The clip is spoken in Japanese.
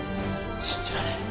信じられん。